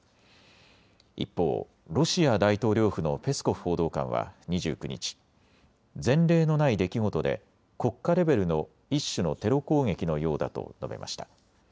一方、ロシア大統領府のペスコフ報道官は２９日、前例のない出来事で国家レベルの一種のテロ攻撃のようだと述べました。